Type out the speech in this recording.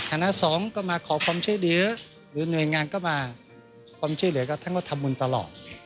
คณะสองก็มาขอความเชื่อเดียวหรือหน่วยงานก็มาความเชื่อเดียวก็ท่านก็ทำบุญตลอด